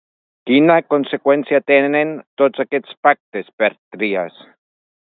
Quina conseqüència tenen, tots aquests pactes, per Trias?